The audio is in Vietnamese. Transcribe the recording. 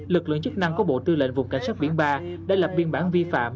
lực lượng chức năng của bộ tư lệnh vùng cảnh sát biển ba đã lập biên bản vi phạm